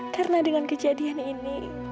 karena dengan kejadian ini